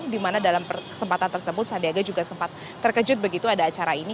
di mana dalam kesempatan tersebut sandiaga juga sempat terkejut begitu ada acara ini